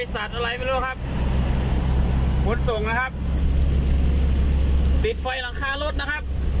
หมดส่งนะครับติดไฟหลังคารถนะครับ